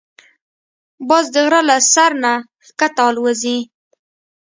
باز د غره له سر نه ښکته الوزي